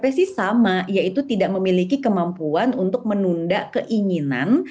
psi sama yaitu tidak memiliki kemampuan untuk menunda keinginan